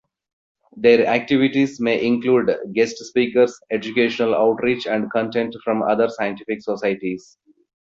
Their activities may include guest speakers, educational outreach, and content from other scientific societies.